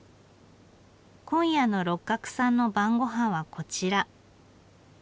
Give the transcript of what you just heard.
今夜の六角さんの晩御飯はこちら。